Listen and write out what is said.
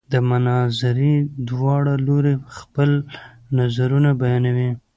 د مناظرې دواړه لوري خپل نظرونه بیانوي.